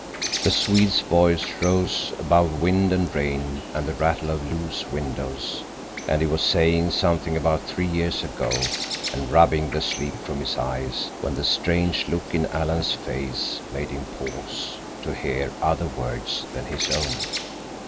The Swede's voice rose above wind and rain and the rattle of loose windows, and he was saying something about three years ago and rubbing the sleep from his eyes, when the strange look in Alan's face made him pause to hear other words than his own.